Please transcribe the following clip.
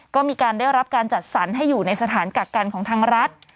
ก็มีการได้รับการจัดสรรให้อยู่ในสถานกักกันของทางรัฐ